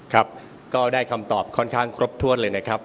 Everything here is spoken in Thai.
ครับก็ได้คำตอบค่อนข้างครบถ้วนเลยนะครับ